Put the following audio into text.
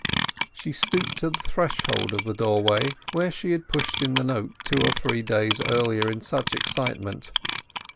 She stooped to the threshold of the doorway, where she had pushed in the note two or three days earlier in such excitement.